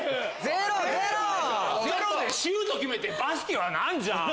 ゼロでシュート決めてバスケはなんじゃん！